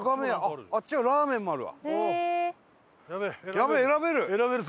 やべえ選べる！